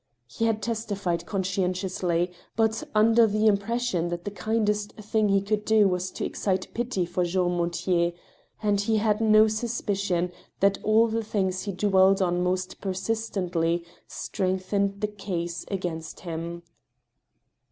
He had testified conscientiously, but under the impression that the kindest thing he could do was to excite pity for Jean Mortier ; and he had no suspicion that all the things he dwelt on most persistently strengthened the case against him.